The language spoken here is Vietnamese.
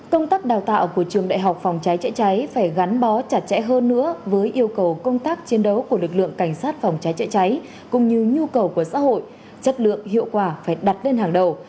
công tác đào tạo của trường đại học phòng cháy chữa cháy phải gắn bó chặt chẽ hơn nữa với yêu cầu công tác chiến đấu của lực lượng cảnh sát phòng cháy chữa cháy cũng như nhu cầu của xã hội chất lượng hiệu quả phải đặt lên hàng đầu